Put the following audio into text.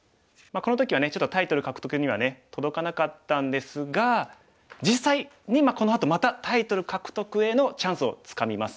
この時はねちょっとタイトル獲得にはね届かなかったんですが実際このあとまたタイトル獲得へのチャンスをつかみます。